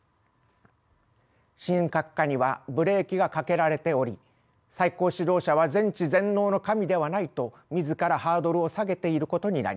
神格化にはブレーキがかけられており最高指導者は全知全能の神ではないと自らハードルを下げていることになります。